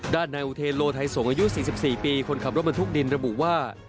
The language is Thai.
นายอุเทนโลไทยสงศ์อายุ๔๔ปีคนขับรถบรรทุกดินระบุว่า